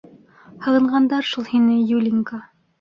— Һағынғандар шул һине, Юлинька.